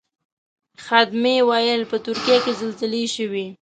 خدمې ویل په ترکیه کې زلزلې شوې.